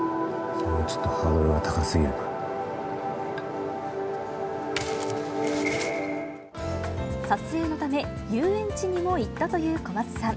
それはちょっとハードルが高撮影のため、遊園地にも行ったという小松さん。